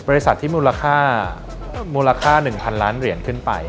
บริษัทที่มูลค่ามูลค่า๑๐๐ล้านเหรียญขึ้นไป